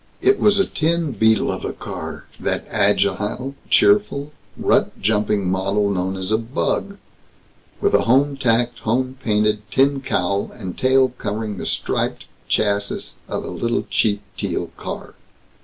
It was a tin beetle of a car; that agile, cheerful, rut jumping model known as a "bug"; with a home tacked, home painted tin cowl and tail covering the stripped chassis of a little cheap Teal car.